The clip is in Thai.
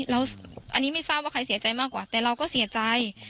อันนี้ไม่ทราบว่าใครเสียใจมากกว่าแต่เราก็เสียใจ